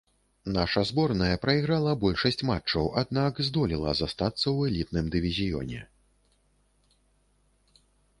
Наша зборная прайграла большасць матчаў, аднак здолела застацца ў элітным дывізіёне.